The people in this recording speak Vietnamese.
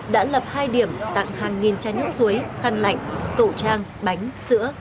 đã lập hai điểm tặng hàng nghìn chai nước suối khăn lạnh khẩu trang bánh sữa